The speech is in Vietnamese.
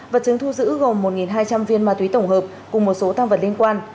vật chứng thu giữ gồm một hai trăm linh viên ma túy tổng hợp cùng một số tăng vật liên quan